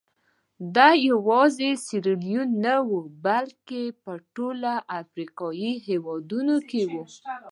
دا یوازې سیریلیون نه وو بلکې په ټولو افریقایي هېوادونو کې وو.